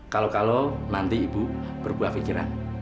kalau kalau nanti ibu berbuah pikiran